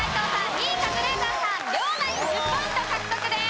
２位カズレーザーさん両ナイン１０ポイント獲得です。